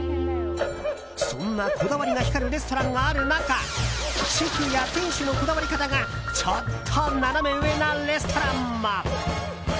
そんなこだわりが光るレストランがある中シェフや店主のこだわり方がちょっとナナメ上なレストランも。